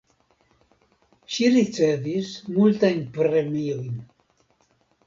Ŝi ricevis multajn premiojn.